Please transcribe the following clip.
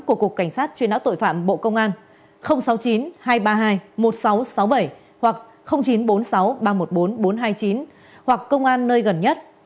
của cục cảnh sát truy nã tội phạm bộ công an sáu mươi chín hai trăm ba mươi hai một nghìn sáu trăm sáu mươi bảy hoặc chín trăm bốn mươi sáu ba trăm một mươi bốn bốn trăm hai mươi chín hoặc công an nơi gần nhất